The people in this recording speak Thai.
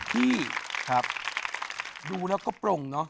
พี่ดูแล้วก็โปร่งเนอะ